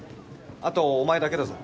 あとお前だけだぞ。